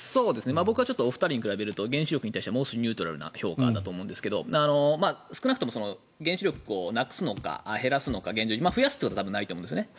僕はちょっと原子力に対してもう少しニュートラルな評価だと思うんですけど少なくとも原子力をなくすのか減らすのか増やすということはないと思うんですね